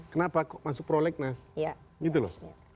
kenapa kok masuk prolegnas gitu loh